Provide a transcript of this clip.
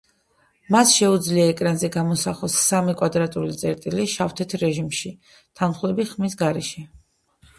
მას შეუძლია ეკრანზე გამოსახოს სამი კვადრატული წერტილი შავ-თეთრ რეჟიმში თანხლები ხმის გარეშე.